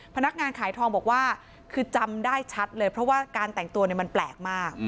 พนักงานขายทองบอกว่าคือจำได้ชัดเลยเพราะว่าการแต่งตัวมันแปลกมาก